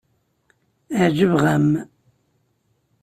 Ɛejbeɣ-am.